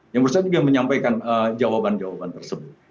yang bersangkutan juga menyampaikan jawaban jawaban tersebut